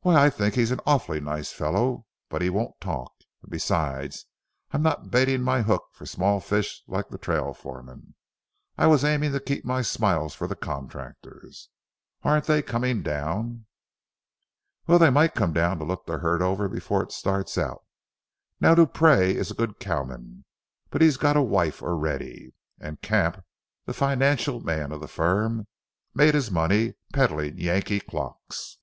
"Why, I think he's an awful nice fellow, but he won't talk. And besides, I'm not baiting my hook for small fish like trail foremen; I was aiming to keep my smiles for the contractors. Aren't they coming down?" "Well, they might come to look the herd over before it starts out. Now, Dupree is a good cowman, but he's got a wife already. And Camp, the financial man of the firm, made his money peddling Yankee clocks.